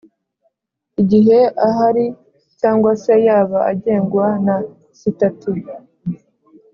igihe ahari cyangwa se yaba agengwa na sitati